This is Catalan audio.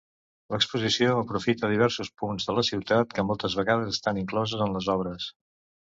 L'exposició aprofita diversos punts de la ciutat que moltes vegades estan incloses en les obres.